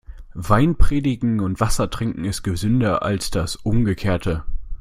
Wein predigen und Wasser trinken ist gesünder als das Umgekehrte.